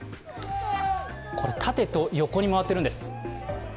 縦と横に回っているんです。